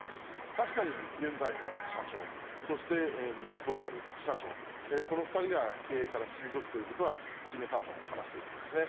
確かに現在の社長、そして息子である副社長、この２人が経営から退くということは決めたと話しているんですね。